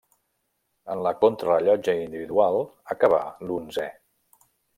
En la contrarellotge individual acabà l'onzè.